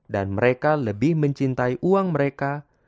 mereka lebih mencintai uang mereka